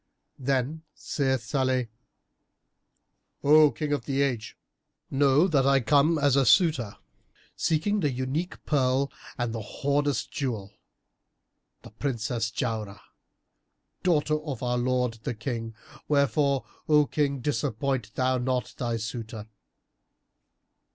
Then said Salih,[FN#325] "O King of the Age, know that I come as a suitor, seeking the unique pearl and the hoarded jewel, the Princess Jauharah, daughter of our lord the King; wherefore, O King disappoint thou not thy suitor."